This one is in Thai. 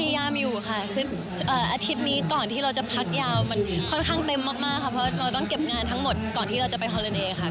ยังเลยได้ไปร่วมพิธีกว่าเฉยค่ะ